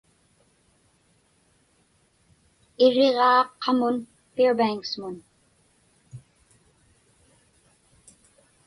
Iriġaa qamun Fairbanks-mun.